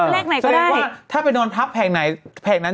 แผงนั้นก็ขายดีหูยิ้มเลขไหนก็ได้